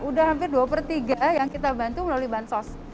udah hampir dua per tiga yang kita bantu melalui bansos